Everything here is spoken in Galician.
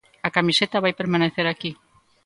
A camiseta vai permanecer aquí.